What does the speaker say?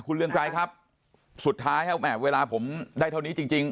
คุณเรืองไกรครับสุดท้ายเวลาผมได้เท่านี้จริงจริง